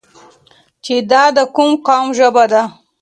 چې دا د کوم قوم ژبه ده؟